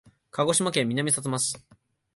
鹿児島県南さつま市